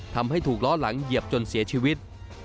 ทำให้ถูกล้อหลังเหยียบจนเสียชีวิต